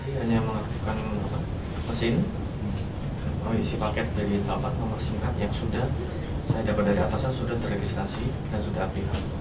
saya hanya mengaktifkan mesin mengisi paket dari papan nomor singkat yang sudah saya dapat dari atasan sudah terregistrasi dan sudah aph